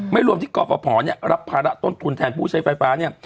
รวมที่กรปภรับภาระต้นทุนแทนผู้ใช้ไฟฟ้าเนี่ย